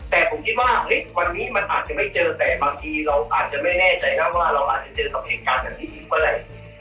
แต่ผมคิดว่าวันนี้มันอาจจะไม่เจอแต่บางทีเราอาจจะไม่แน่ใจนะว่าเราอาจจะเจอกับเหตุการณ์แบบนี้อีกเมื่อไหร่